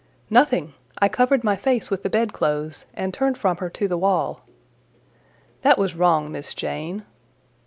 "Nothing: I covered my face with the bedclothes, and turned from her to the wall." "That was wrong, Miss Jane."